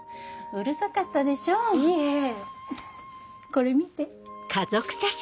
これ見て。